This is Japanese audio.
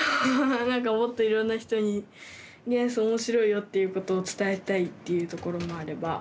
もっといろんな人に元素面白いよっていうことを伝えたいっていうところもあれば。